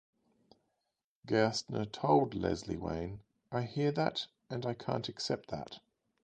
Gerstner told Leslie Wayne, I hear that and I can't accept that.